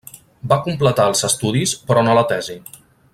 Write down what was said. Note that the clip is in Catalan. Va completar els estudis però no la tesi.